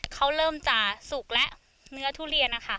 เขาเริ่มจะสุกแล้วเนื้อทุเรียนนะคะ